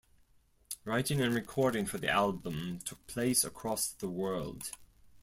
Writing and recording for the album took place across the world.